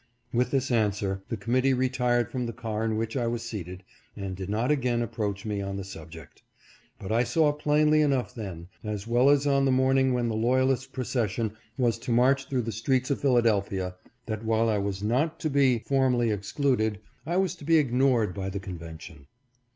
With this answer, the committee retired from the car in which I was seated, and did not again approach me on the subject ; but I saw plainly enough then, as well as on the morning when the loyalist pro cession was to march through the streets of Philadelphia, that while I was not to be formally excluded, I was to be ignored by the Convention.